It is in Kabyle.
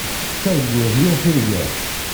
Tettarguḍ yir tirga.